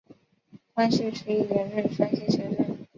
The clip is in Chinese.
光绪十一年任山西学政。